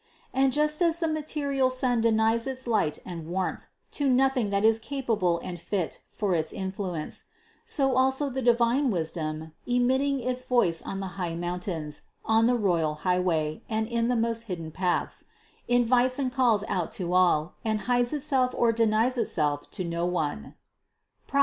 And just as the material sun denies its light and warmth to nothing that is capable and fit for its influence, so also the divine Wisdom, emitting its voice on the high mountains, on the royal highway and in the most hidden paths, invites and calls out to all, and hides itself or denies itself to no one (Prov.